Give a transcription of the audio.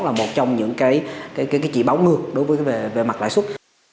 là một trong những chỉ báo ngược đối với mặt lãi xuất